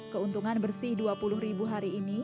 keuntungan bersih dua puluh ribu hari ini